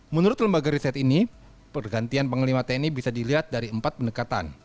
menurut lembaga riset ini pergantian panglima tni bisa dilihat dari empat pendekatan